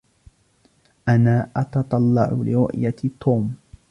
أنا أتتطلع لرؤية توم.